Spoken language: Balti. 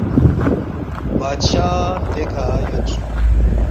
بادشاہ دیکھہ یودسُوک